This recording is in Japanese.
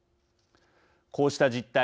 こうした実態